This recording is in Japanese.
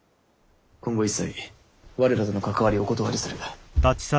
今後一切我らとの関わりをお断りする。